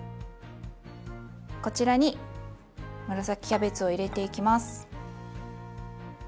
こちらに紫キャベツを入れていきます。